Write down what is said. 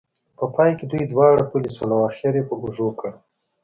په پای کې دوی دواړه پلي شول او خر یې په اوږو کړ.